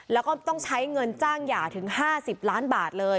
แล้วก็ต้องใช้เงินจ้างหย่าถึง๕๐ล้านบาทเลย